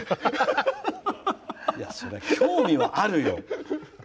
そりゃ、興味はあるよ。